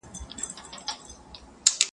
o یاره وتله که چيري د خدای خپل سوې,